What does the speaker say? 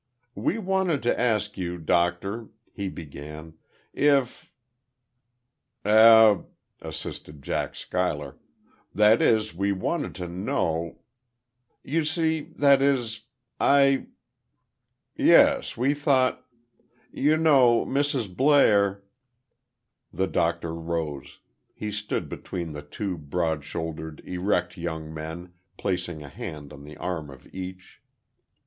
"We wanted to ask you, Doctor," he began, "if " "Eh," assisted Jack Schuyler; "that is, we wanted to know "" you see, that is I "" yes, we thought "" you know, Mrs. Blair " The doctor rose; he stood between the two broad shouldered, erect young men, placing a hand on the arm of each.